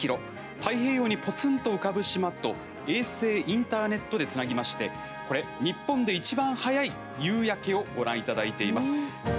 太平洋に、ぽつんと浮かぶ島と衛星インターネットでつなぎまして、これ日本でいちばん早い夕焼けをご覧いただいています。